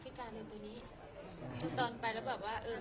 ทุติยังปิตพุทธธาเป็นที่พึ่ง